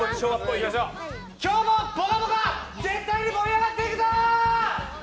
今日も「ぽかぽか」絶対に盛り上がっていくぞ！